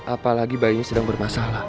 apalagi bayinya sedang bermasalah